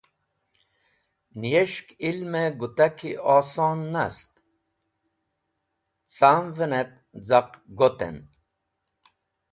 Nẽs̃hetk ilmẽ gutaki oson nast camvẽnẽb caq gotẽn.